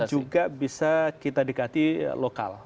juga bisa kita dekati lokal